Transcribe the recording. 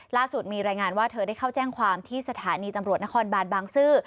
ล่าสุดมีรายงานว่าเธอได้เข้าแจ้งความที่สถานีตำรวจนครบานบางซื่อ